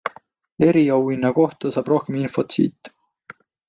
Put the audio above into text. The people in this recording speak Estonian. Eriauhinna kohta saab rohkem infot siit.